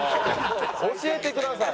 教えてください。